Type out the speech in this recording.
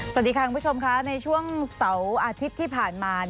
สวัสดีค่ะคุณผู้ชมค่ะในช่วงเสาร์อาทิตย์ที่ผ่านมา